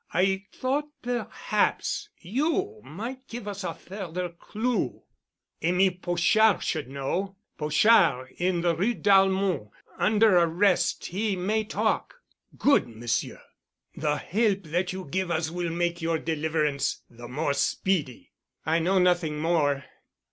I thought perhaps that you might give us a further clue." "Émile Pochard should know. Pochard in the Rue Dalmon—under arrest he may talk——" "Good, Monsieur. The help that you give us will make your deliverance the more speedy." "I know nothing more."